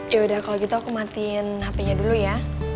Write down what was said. yaudah kalau gitu aku matiin hpnya dulu ya